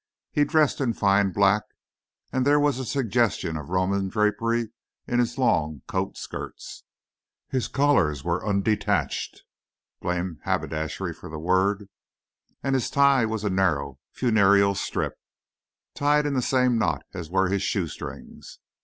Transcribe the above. He dressed in fine black, and there was a suggestion of Roman drapery in his long coat skirts. His collars were "undetached" (blame haberdashery for the word); his tie was a narrow, funereal strip, tied in the same knot as were his shoe strings.